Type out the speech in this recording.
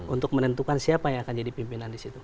untuk menentukan siapa yang akan jadi pimpinan di situ